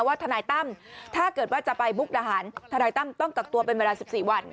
ทนายตั้มถ้าเกิดว่าจะไปมุกดาหารทนายตั้มต้องกักตัวเป็นเวลา๑๔วัน